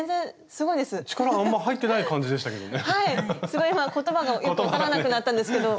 すごい今言葉がよく分からなくなったんですけど。